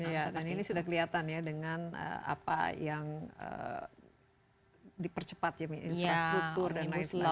ya dan ini sudah kelihatan ya dengan apa yang dipercepat infrastruktur dan lain sebagainya